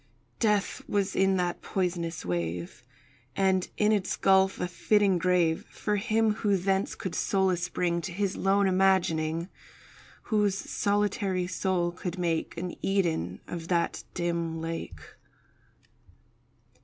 Death was in that poisonous wave, And in its gulf a fitting grave For him who thence could solace bring To his lone imagining— Whose solitary soul could make An Eden of that dim lake.